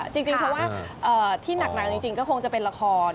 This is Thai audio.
จริงเพราะว่าที่หนักจริงก็คงจะเป็นละคร